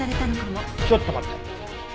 ちょっと待って。